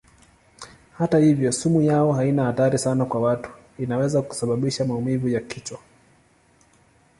Hata hivyo sumu yao haina hatari sana kwa watu; inaweza kusababisha maumivu ya kichwa.